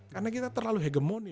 karena kita terlalu hegemoni